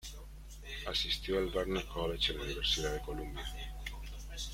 Asistió al Barnard College y a la Universidad de Columbia.